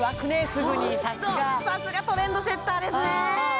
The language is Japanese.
すぐにさすがさすがトレンドセッターですね